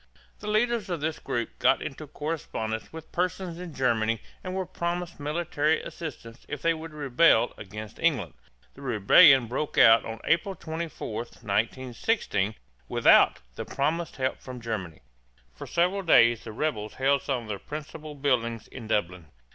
The leaders of this group got into correspondence with persons in Germany and were promised military assistance if they would rebel against England. The rebellion broke out April 24, 1916, without the promised help from Germany. For several days the rebels held some of the principal buildings in Dublin.